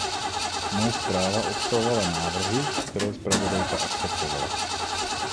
Moje zpráva obsahovala návrhy, které zpravodajka akceptovala.